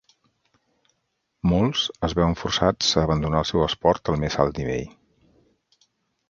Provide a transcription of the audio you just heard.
Molts es veuen forçats a abandonar el seu esport al més alt nivell.